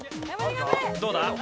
どうだ？